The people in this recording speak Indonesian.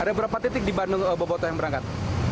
ada berapa titik di bandung bobotoh yang berangkat